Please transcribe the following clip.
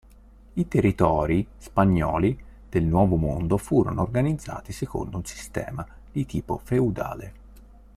I territori spagnoli del Nuovo Mondo furono organizzati secondo un sistema di tipo feudale.